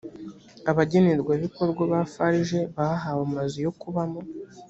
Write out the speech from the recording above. abagenerwabikorwa ba farg bahawe amazu yokubamo